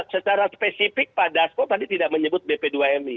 secara spesifik pak dasko tadi tidak menyebut bp dua mi